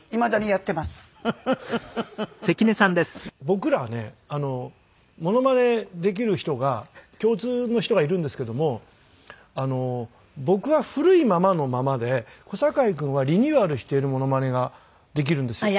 僕らはねモノマネできる人が共通の人がいるんですけども僕は古いままのままで小堺君はリニューアルしているモノマネができるんですよ。